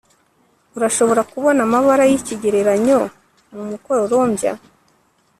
urashobora kubona amabara yikigereranyo mu mukororombya